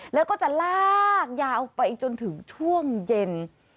แล้วก็จะลากยาวไปจนถึงช่วงเย็น